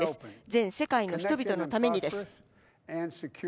全世界の人々のためにです。